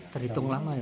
terhitung lama ya